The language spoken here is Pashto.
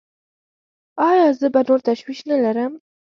ایا زه به نور تشویش نلرم؟